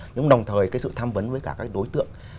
nhưng đồng thời cái sự tham vấn với cả các đối tượng